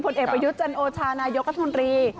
เอกประยุทธ์จันโอชานายกรัฐมนตรี